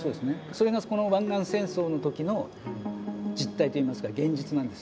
それがこの湾岸戦争の時の実態といいますか現実なんですよね。